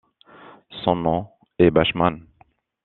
Son nom est Bachman.